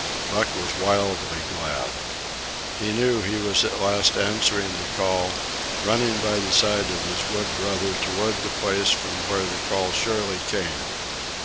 Buck was wildly glad. He knew he was at last answering the call, running by the side of his wood brother toward the place from where the call surely came.